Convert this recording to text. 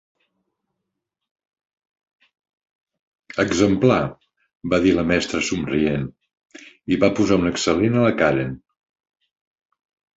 Exemplar, va dir la mestra somrient, i va posar un Excel·lent a la Karen.